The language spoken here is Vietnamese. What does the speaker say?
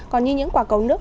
còn như những quà cầu nước